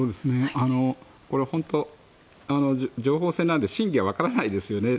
これは本当に情報戦なので真偽はわからないですよね。